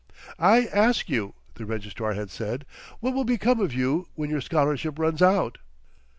"I ask you," the Registrar had said, "what will become of you when your scholarship runs out?"